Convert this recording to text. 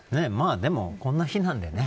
でもこんな日なんでね